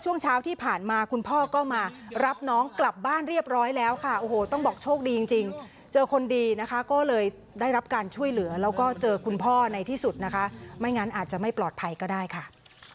ช่วงเช้าที่ผ่านมาคุณพ่อก็มารับน้องกลับบ้านเรียบร้อยแล้วค่ะโอ้โหต้องบอกโชคดีจริงเจอคนดีนะคะก็เลยได้รับการช่วยเหลือแล้วก็เจอคุณพ่อในที่สุดนะคะไม่งั้นอาจจะไม่ปลอดภัยก็ได้ค่ะ